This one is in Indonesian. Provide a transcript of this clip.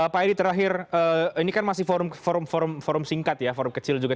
pak edi terakhir ini kan masih forum singkat ya forum kecil juga